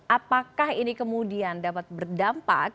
apakah ini kemudian dapat berdampak